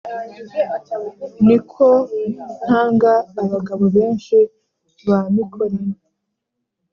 ni ko ntanga abagabo benshi ba mikore,